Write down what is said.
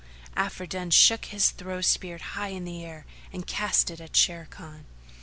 Afridun shook his throw spear high in air and cast it at Sharrkan.